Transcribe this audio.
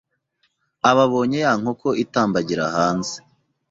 aba abonye ya nkoko itambagira hanze